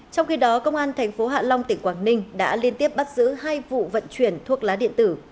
trong khi đó công an tp hạ long tỉnh quảng ninh đã liên tiếp bắt giữ hai vụ vận chuyển thuộc lá điện tử